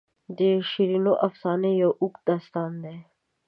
د شیرینو افسانو یو اوږد داستان دی.